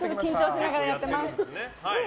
緊張しながらやってます。